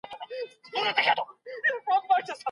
سمه لار د پوهانو لار ده.